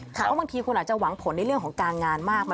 เพราะบางทีคุณอาจจะหวังผลในเรื่องของการงานมาก